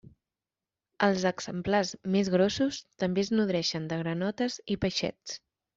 Els exemplars més grossos també es nodreixen de granotes i peixets.